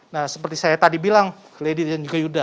nah seperti saya tadi bilang lady dan juga yuda